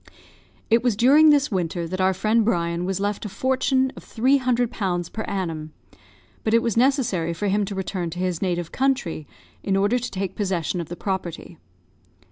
It was during this winter that our friend Brian was left a fortune of three hundred pounds per annum; but it was necessary for him to return to his native country, in order to take possession of the property.